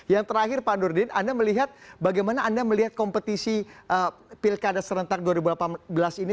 yang terakhir pak nurdin anda melihat bagaimana anda melihat kompetisi pilkada serentak dua ribu delapan belas ini